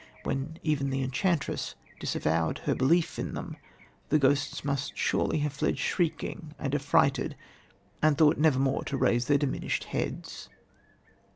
When even the enchantress disavowed her belief in them, the ghosts must surely have fled shrieking and affrighted and thought never more to raise their diminished heads.